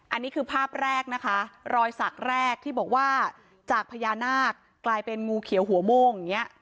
อันนี้คือภาพแรกนะคะรอยสักแรกที่บอกว่าจากพญานาคกลายเป็นงูเขียวหัวโม่งอย่างนี้